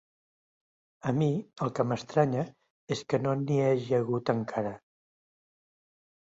A mi el que m'estranya és que no n'hi hagi hagut encara.